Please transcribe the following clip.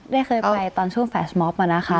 ได้เคยไปตอนช่วงแฟสมอบมานะคะ